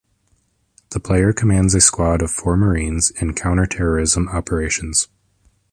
The player commands a squad of four marines in counter-terrorism operations.